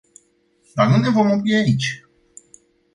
Dar nu ne vom opri aici.